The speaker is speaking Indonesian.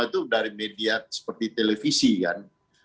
itu dari media seperti televisi kan